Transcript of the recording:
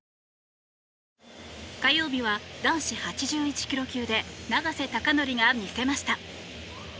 火曜日は男子８１ｋｇ級で永瀬貴規が魅せました。